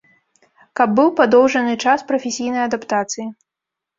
Каб быў падоўжаны час прафесійнай адаптацыі.